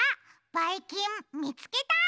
ばいきんみつけた！